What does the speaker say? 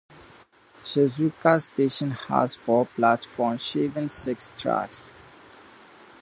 Shizuoka Station has four platforms serving six tracks.